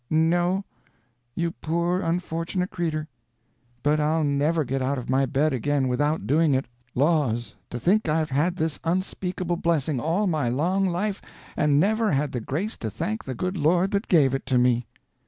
"No, you poor unfortunate cretur', but I'll never get out of my bed again without doing it! Laws, to think I've had this unspeakable blessing all my long life and never had the grace to thank the good Lord that gave it to me!"